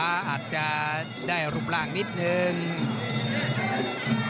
มันมีรายการมวยนัดใหญ่อยู่นัดอยู่นะ